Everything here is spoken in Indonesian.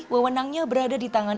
wewenangnya berada di tangan